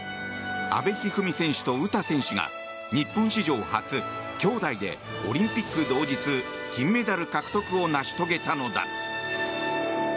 阿部一二三選手と詩選手が日本史上初兄妹でオリンピック同日金メダル獲得を成し遂げたのだ。